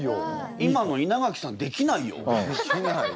今の稲垣さんできないよ！